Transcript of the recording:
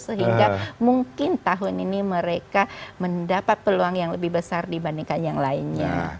sehingga mungkin tahun ini mereka mendapat peluang yang lebih besar dibandingkan yang lainnya